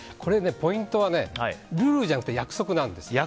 ポイントは、ルールじゃなくて約束なんです。